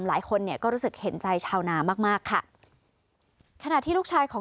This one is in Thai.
หลายคนเนี่ยก็รู้สึกเห็นใจชาวนามากมากค่ะขณะที่ลูกชายของ